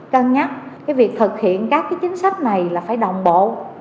cân nhắc cái việc thực hiện các cái chính sách này là phải đồng bộ